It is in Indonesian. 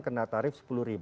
kena tarif sepuluh